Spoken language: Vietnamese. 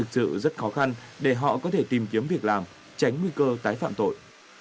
sự rất khó khăn để họ có thể tìm kiếm việc làm tránh nguy cơ tái phạm tội